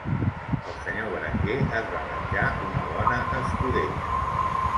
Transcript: El senyor Berenguer es va menjar una bona escudella.